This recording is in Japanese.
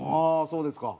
そうですか。